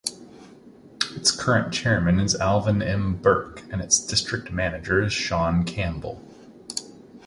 Its current chairman is Alvin M. Berk, and its district manager is Shawn Campbell.